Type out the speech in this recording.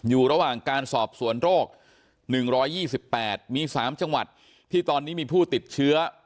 อยู่ระหว่างการสอบสวนโรค๑๒๘มี๓จังหวัดที่ตอนนี้มีผู้ติดเชื้อ